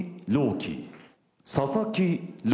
希佐々木朗